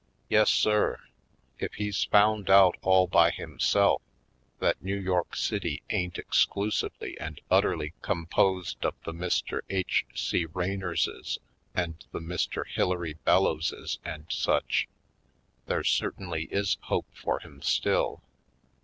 Yes sir, if he's found out all by himself that New York City ain't exclusively and utterly composed of the Mr. H. C. Raynorses and the Mr. Hilary Bellowses and such, there certainly is hope for him still.